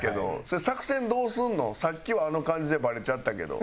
さっきはあの感じでバレちゃったけど。